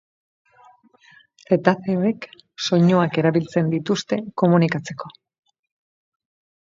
Zetazeoek soinuak erabiltzen dituzte komunikatzeko.